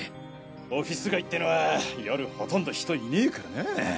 オフィス街ってのは夜ほとんど人いねぇからなぁ。